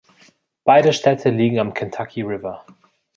Beide Städte liegen am Kentucky River.